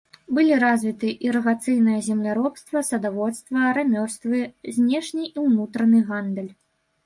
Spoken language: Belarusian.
Былі развіты ірыгацыйнае земляробства, садаводства, рамёствы, знешні і ўнутраны гандаль.